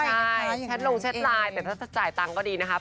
ใช่แชทลงแชทไลน์แต่ถ้าจะจ่ายตังค์ก็ดีนะครับ